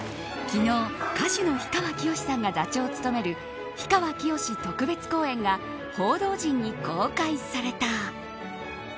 昨日、歌手の氷川きよしさんが座長を務める「氷川きよし特別公演」が報道陣に公開された。